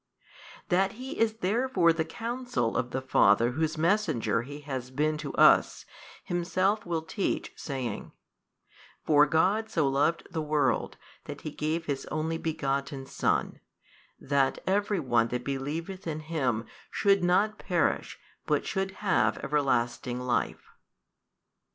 That He is therefore the Counsel of the Father Whose Messenger He has been to us, Himself will teach saying, For so God loved the world that He gave His Only Begotten Son, that every one that believeth in Him should not perish but should have everlasting life.